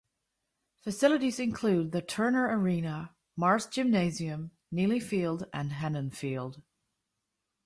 Facilities include the Turner Arena, Mars Gymnasium, Neely Field and Hennon Field.